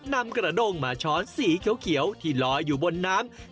นำกระด้งมาช้อนสีเขียวที่ลอยอยู่บนน้ำ